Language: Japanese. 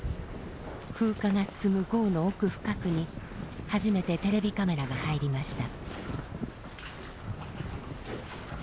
風化が進む壕の奥深くに初めてテレビカメラが入りました。